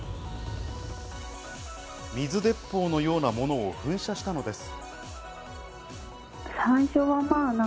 水鉄砲のようなものを噴射したのです。